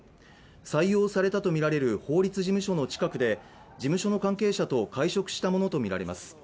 採用されたとみられる法律事務所の近くで、事務所の関係者と会食したものとみられます。